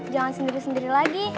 jangan sendiri sendiri lagi